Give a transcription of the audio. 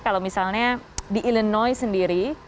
kalau misalnya di illinois sendiri